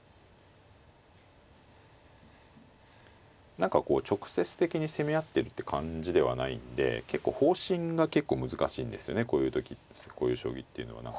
何かこう直接的に攻め合ってるって感じではないんで結構方針が難しいんですよねこういう時こういう将棋っていうのは。